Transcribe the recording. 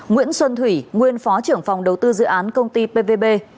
nguyễn xuân thủy nguyên phó trưởng phòng đầu tư dự án công ty pvb